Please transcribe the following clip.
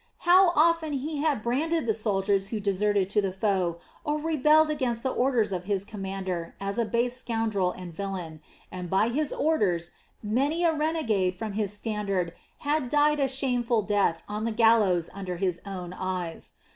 How often he had branded the soldier who deserted to the foe or rebelled against the orders of his commander as a base scoundrel and villain, and by his orders many a renegade from his standard had died a shameful death on the gallows under his own eyes.